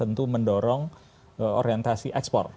tentu mendorong orientasi ekspor